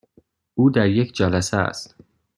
او در یک جلسه است.